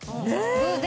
偶然。